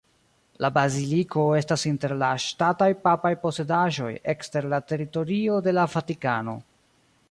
La baziliko estas inter la "ŝtataj papaj posedaĵoj ekster la teritorio de la Vatikano".